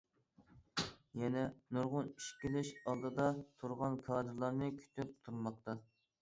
يەنە نۇرغۇن ئىش كېلىش ئالدىدا تۇرغان كادىرلارنى كۈتۈپ تۇرماقتا.